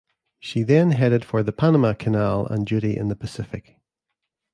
She then headed for the Panama Canal and duty in the Pacific.